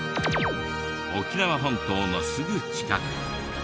沖縄本島のすぐ近く。